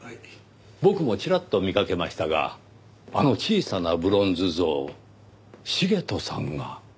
僕もちらっと見かけましたがあの小さなブロンズ像茂斗さんが。